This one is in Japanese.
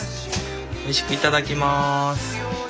おいしくいただきます！